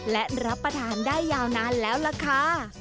และรับประทานได้ยาวนานแล้วล่ะค่ะ